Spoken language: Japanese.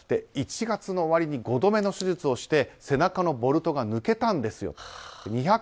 １月の終わりに５度目の手術をして背中のボルトが抜けたんですよ。